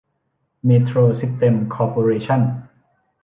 เมโทรซิสเต็มส์คอร์ปอเรชั่น